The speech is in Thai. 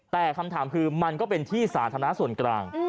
แต่คำถามคือมันก็เป็นที่สาธารณะส่วนกลาง